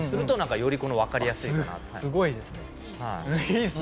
すごいですね。